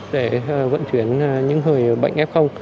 để vận chuyển những người bệnh f